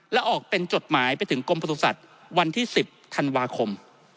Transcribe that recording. และออกเป็นจดหมายไปถึงกรมประสุทธิ์วันที่๑๐ธันวาคม